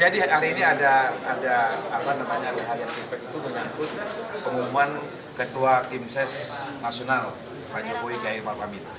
di ali ini ada pertanyaan yang menyangkut pengumuman ketua tim ses nasional pak jokowi gaya farfamin